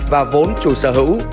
và vốn chủ sở hữu